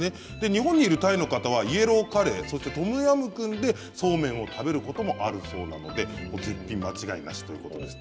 日本にいるタイの方はイエローカレーやトムヤムクンでそうめんを食べることもあるそうなので絶品間違いなしということです。